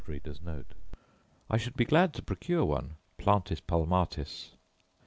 I should be glad to procure one 'plantis palmatis.